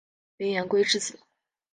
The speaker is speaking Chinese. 林廷圭之子。